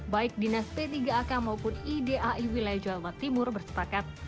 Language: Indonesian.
baik dinas p tiga ak maupun idai wilayah jawa timur bersepakat